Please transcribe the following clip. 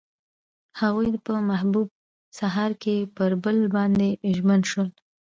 هغوی په محبوب سهار کې پر بل باندې ژمن شول.